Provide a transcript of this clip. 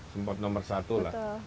sempat nomor satu lah